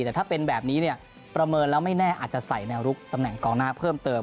แต่ถ้าเป็นแบบนี้เนี่ยประเมินแล้วไม่แน่อาจจะใส่แนวรุกตำแหน่งกองหน้าเพิ่มเติม